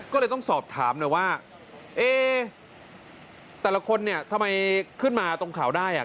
ก็เลยต้องสอบถามหน่อยว่าเอ๊แต่ละคนเนี่ยทำไมขึ้นมาตรงข่าวได้